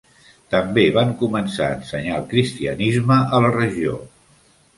També van començar a ensenyar el cristianisme a la regió.